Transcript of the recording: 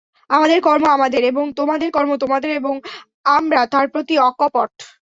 আমাদের কর্ম আমাদের এবং তোমাদের কর্ম তোমাদের এবং আমরা তাঁর প্রতি অকপট।